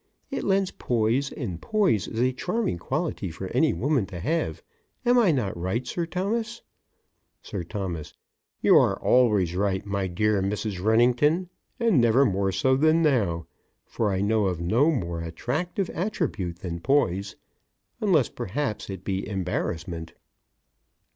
It lends poise, and poise is a charming quality for any woman to have, am I not right, Sir Thomas? SIR T.: You are always right, my dear Mrs. Wrennington, and never more so than now, for I know of no more attractive attribute than poise, unless perhaps it be embarrassment.